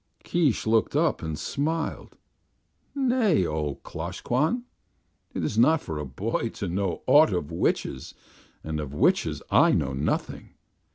Keesh looked up and smiled. "Nay, O Klosh Kwan. It is not for a boy to know aught of witches, and of witches I know nothing.